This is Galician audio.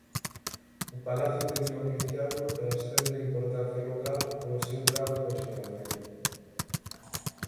O Palacio de Diocleciano transcende a importancia local polo seu grao de conservación.